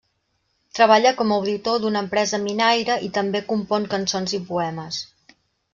Treballa com a auditor d'una empresa minaire, i també compon cançons i poemes.